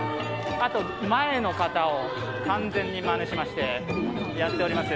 あと前の方を完全にまねしましてやっております。